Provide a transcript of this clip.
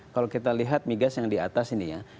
kalau kita lihat migas yang di atas ini ya